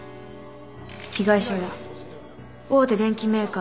被害者は大手電機メーカー